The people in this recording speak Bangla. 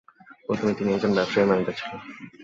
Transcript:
প্রথমে তিনি একজন ব্যবসায়ী এবং ম্যানেজার ছিলেন।